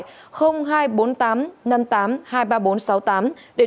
để đối tượng